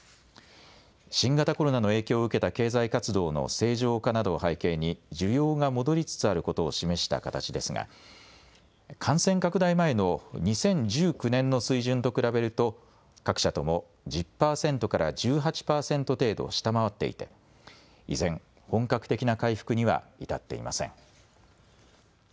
新型コロナの影響を受けた経済活動の正常化などを背景に需要が戻りつつあることを示した形ですが感染拡大前の２０１９年の水準と比べると各社とも１０％から１８％程度下回っていて依然、本格的な回復には至っていません。